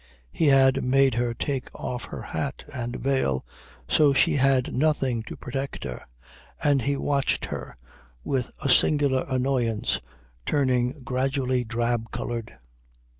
He had made her take off her hat and veil, so she had nothing to protect her, and he watched her with a singular annoyance turning gradually drab coloured.